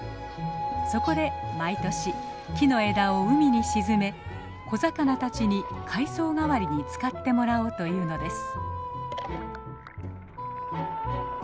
そこで毎年木の枝を海に沈め小魚たちに海藻代わりに使ってもらおうというのです。